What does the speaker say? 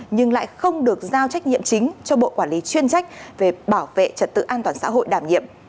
nhưng lại không được giao trách nhiệm chính cho bộ quản lý chuyên trách về bảo vệ trật tự an toàn xã hội đảm nhiệm